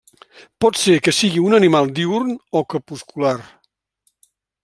Pot ser que sigui un animal diürn o crepuscular.